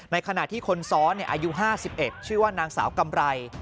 ขณะที่คนซ้อนอายุ๕๑ชื่อว่านางสาวกำไร